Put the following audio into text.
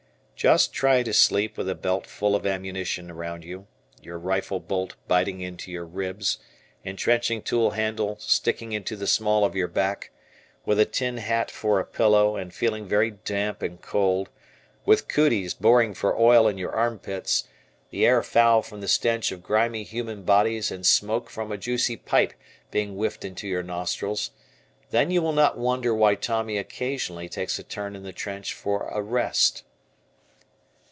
Just try to sleep with a belt full of ammunition around you, your rifle bolt biting into your ribs, entrenching tool handle sticking into the small of your back, with a tin hat for a pillow; and feeling very damp and cold, with "cooties" boring for oil in your arm pits, the air foul from the stench of grimy human bodies and smoke from a juicy pipe being whiffed into your nostrils, then you will not wonder why Tommy occasionally takes a turn in the trench for a rest.